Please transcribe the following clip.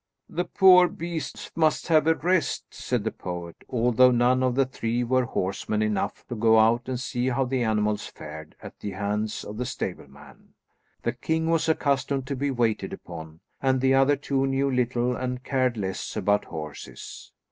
"The poor beasts must have a rest," said the poet, although none of the three were horsemen enough to go out and see how the animals fared at the hands of the stableman. The king was accustomed to be waited upon, and the other two knew little and cared less about horses.